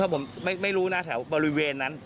หล่ามนะผมผมข้บมไม่รู้นะแถวบริเวณนั้น